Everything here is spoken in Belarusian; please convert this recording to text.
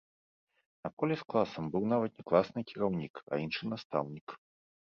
На поле з класам быў нават не класны кіраўнік, а іншы настаўнік.